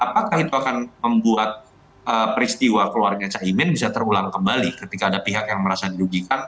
apakah itu akan membuat peristiwa keluarga cahimin bisa terulang kembali ketika ada pihak yang merasa dirugikan